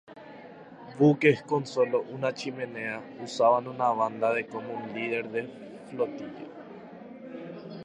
Buques con sólo una chimenea usaban una banda de como un líder de flotilla.